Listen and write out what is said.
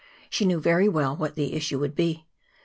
She knew very well what the issue would be.